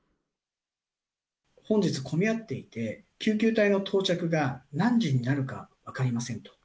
本日、混み合っていて、救急隊の到着が何時になるか分かりませんと。